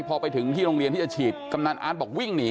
พอไปถึงที่โรงเรียนที่จะฉีดกำนันอาร์ตบอกวิ่งหนี